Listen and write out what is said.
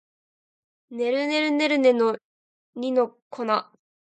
ねるねるねるねの二の粉